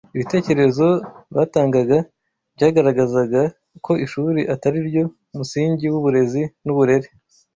Ibitekerezo batangaga byagaragazaga ko ishuri atari ryo musingi w’uburezi n’uburere